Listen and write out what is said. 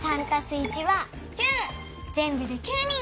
ぜんぶで９人！